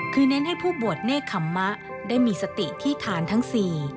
คือเน้นให้ผู้บวชเนธคำมะได้มีสติที่ทานทั้งสี่